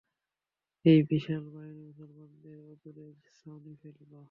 এই বিশাল বাহিনী মুসলমানদের অদূরে ছাউনী ফেলল।